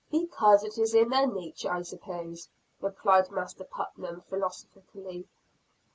Because it is their nature, I suppose," replied Master Putnam philosophically.